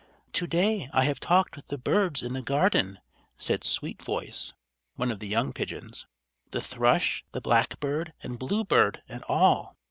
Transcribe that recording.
"To day I have talked with the birds in the garden," said Sweet Voice, one of the young pigeons, "the thrush, the blackbird, and bluebird, and all.